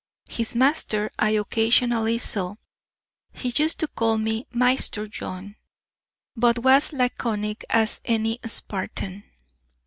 His master I occasionally saw; he used to call me "Maister John," but was laconic as any Spartan.